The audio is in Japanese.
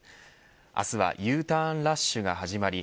明日はＵターンラッシュが始まり